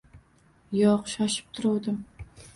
Yo`q, shoshib turuvdim